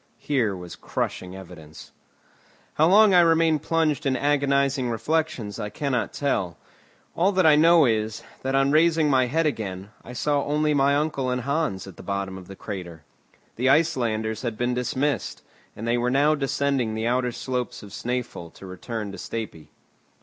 Here was crushing evidence. How long I remained plunged in agonizing reflections I cannot tell; all that I know is, that on raising my head again, I saw only my uncle and Hans at the bottom of the crater. The Icelanders had been dismissed, and they were now descending the outer slopes of Snæfell to return to Stapi.